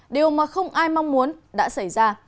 điều mà không ai mong muốn đã xảy ra